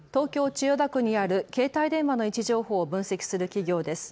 千代田区にある携帯電話の位置情報を分析する企業です。